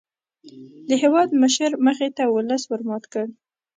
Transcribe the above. د هېوادمشر مخې ته ولس ور مات وو.